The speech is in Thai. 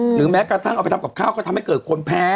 หรือแม้กระทั่งเอาไปทำกับข้าวก็ทำให้เกิดคนแพ้